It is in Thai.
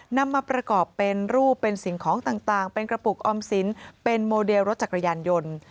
นำมาประกอบเป็นรูปเป็นสิ่งของต่างเป็นกระปุกออมสินเป็นโมเดลรถจักรยานยนต์